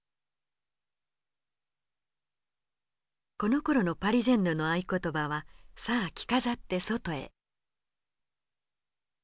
このころのパリジェンヌの合言葉は「さあ着飾って外へ」。